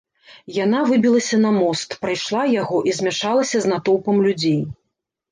Яна выбілася на мост, прайшла яго і змяшалася з натоўпам людзей.